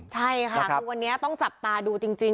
ใช่ค่ะคือวันนี้ต้องจับตาดูจริง